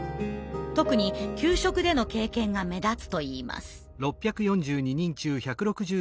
特に給食での経験が目立つといいます。